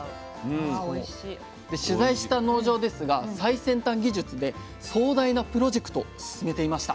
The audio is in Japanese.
で取材した農場ですが最先端技術で壮大なプロジェクト進めていました。